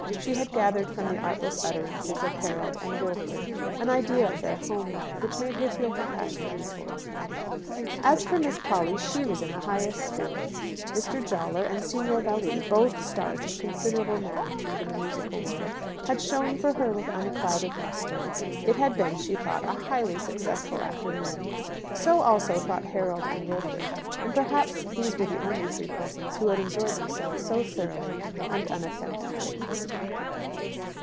She had gathered from the artless utterances of Harold and Wilfred an idea of their home life, which made her feel compassionately towards them. As for Miss Polly, she was in the highest spirits. Mr. Jawler and Signor Valli, both stars of considerable magnitude in the musical world, had shone for her with unclouded lustre. It had been, she thought, a highly successful afternoon. So also thought Harold and Wilfred. And perhaps these were the only three persons who had enjoyed themselves thoroughly and unaffectedly.